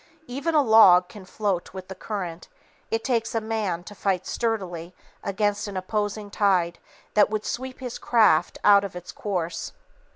Even a log can float with the current, it takes a man to fight sturdily against an opposing tide that would sweep his craft out of its course.